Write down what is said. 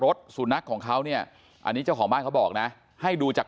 สุนัขของเขาเนี่ยอันนี้เจ้าของบ้านเขาบอกนะให้ดูจาก